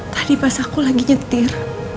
tadi pas aku lagi nyetir